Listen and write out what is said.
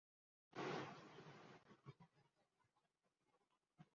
এবং সেটিকে পুনরায় ঠিক করে।